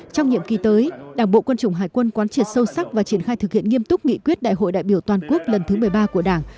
trong nhiệm kỳ tới đảng bộ quân chủng hải quân quán triệt sâu sắc và triển khai thực hiện nghiêm túc nghị quyết đại hội đại biểu toàn quốc lần thứ một mươi ba của đảng